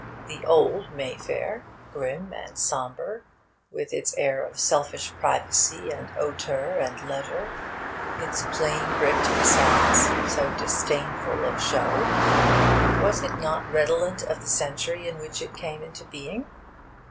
The old Mayfair, grim and sombre, with its air of selfish privacy and hauteur and leisure, its plain bricked facades, so disdainful of show was it not redolent of the century in which it came to being?